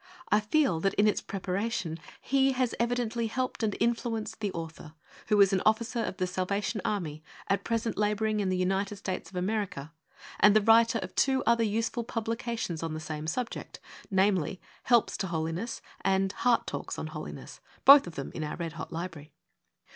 I feel that in its preparation He has evidently helped and influenced the author, who is an Officer of The Salvation Army, at present labouring in the United States of America, and the writer of two other useful publica tions on the same subject : namely, Helps to Holhiess and Heart Talks on Holiness^ both of them in our 'Red Hot Library.